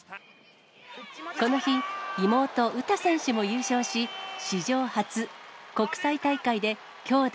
この日、妹、詩選手も優勝し、史上初、国際大会で兄妹